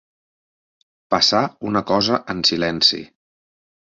Passar una cosa en silenci.